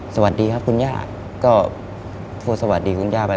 สวัสดีครับคุณย่าก็โทษสวัสดีคุณย่าไป